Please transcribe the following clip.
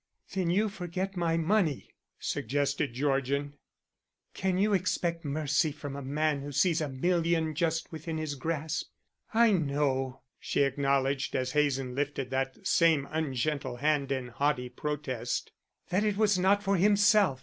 "Then you forget my money," suggested Georgian. "Can you expect mercy from a man who sees a million just within his grasp? I know," she acknowledged, as Hazen lifted that same ungentle hand in haughty protest, "that it was not for himself.